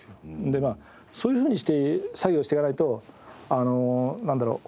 でまあそういうふうにして作業していかないとあのなんだろう？